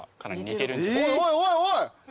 おいおいおいおい！